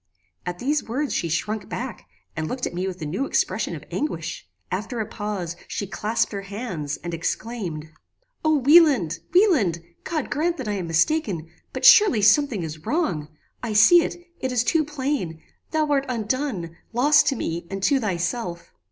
At these words she shrunk back, and looked at me with a new expression of anguish. After a pause, she clasped her hands, and exclaimed "O Wieland! Wieland! God grant that I am mistaken; but surely something is wrong. I see it: it is too plain: thou art undone lost to me and to thyself."